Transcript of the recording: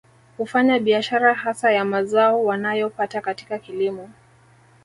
Hufanya biashara hasa ya mazao wanayo pata katika kilimo